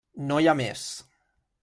No hi ha més.